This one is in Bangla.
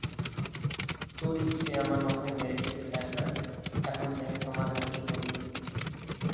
তোর ইচ্ছে, আমার মাথায় মেরেছিলে তাইনা, এখন দেখ তোমার কী হাল করি।